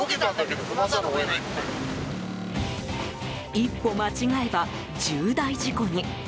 一歩間違えば重大事故に。